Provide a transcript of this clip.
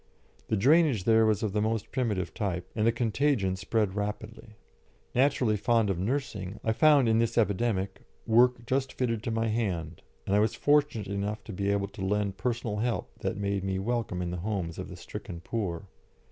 The drainage there was of the most primitive type, and the contagion spread rapidly. Naturally fond of nursing, I found in this epidemic work just fitted to my hand, and I was fortunate enough to be able to lend personal help that made me welcome in the homes of the stricken poor.